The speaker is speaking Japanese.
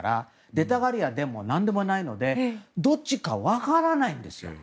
出たがりでも何でもないのでどっちかは分からないんです。